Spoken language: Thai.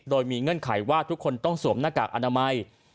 โดยมีเงื่อนไขว่าทุกคนต้องสวมหน้ากากอนามัย